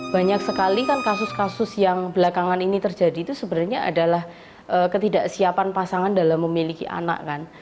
banyak sekali kan kasus kasus yang belakangan ini terjadi itu sebenarnya adalah ketidaksiapan pasangan dalam memiliki anak kan